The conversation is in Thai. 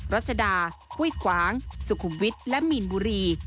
รัชดาห้วยขวางสุขุมวิทย์และมีนบุรี